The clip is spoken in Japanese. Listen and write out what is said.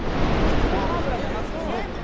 ごま油じゃなくて。